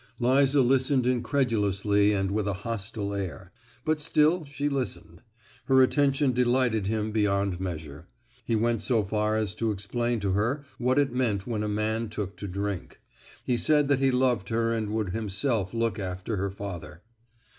Liza listened incredulously and with a hostile air,—but still she listened. Her attention delighted him beyond measure;—he went so far as to explain to her what it meant when a man took to drink. He said that he loved her and would himself look after her father.